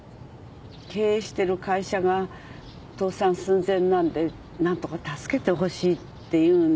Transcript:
経営してる会社が倒産寸前なんで何とか助けてほしいって言うんだけど。